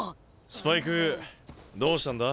スパイクどうしたんだ？